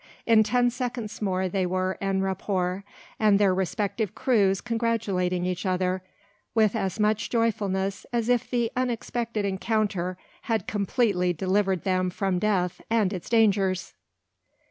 In ten seconds more they were en rapport, and their respective crews congratulating each other, with as much joyfulness as if the unexpected encounter had completely delivered them from death and its dangers!